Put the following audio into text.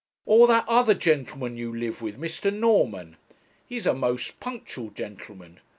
'Or that other gentleman you live with; Mr. Norman. He is a most punctual gentleman.